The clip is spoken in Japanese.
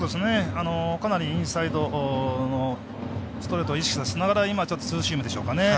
かなりインサイドのストレートを意識させながら今はツーシームでしょうかね。